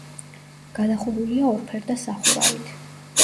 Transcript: გადახურულია ორფერდა სახურავით.